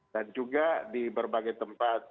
dan juga di berbagai tempat